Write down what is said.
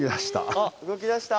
あっ動きだした。